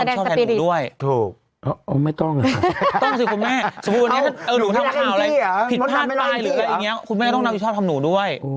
หรือเป็นงี้คุณแม่ต้องทำหนูด้วย